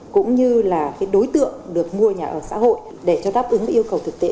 cũng như là đối tượng được mua nhà ở xã hội để cho đáp ứng yêu cầu thực tế